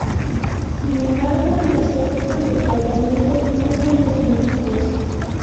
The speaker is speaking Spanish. Sin embargo, los efectos del tratamiento no son definitivos.